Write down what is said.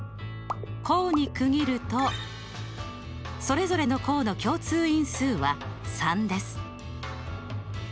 項に区切るとそれぞれの項の共通因数は３です。